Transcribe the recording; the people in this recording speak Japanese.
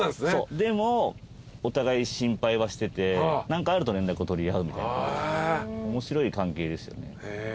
でもお互い心配はしてて何かあると連絡を取り合うみたいな面白い関係ですよね。